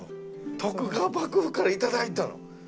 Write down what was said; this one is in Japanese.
徳川幕府から頂いたの。